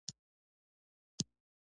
مس د افغانستان د طبیعت برخه ده.